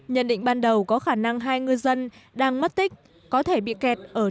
nhận định ban đầu có khả năng hai ngư dân đang mất tích có thể bị kẹt ở